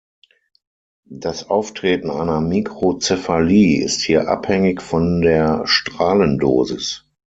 Das Auftreten einer Mikrozephalie ist hier abhängig von der Strahlendosis.